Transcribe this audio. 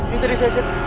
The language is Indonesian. ini tadi saya